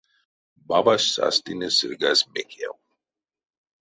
Бабась састыне сыргась мекев.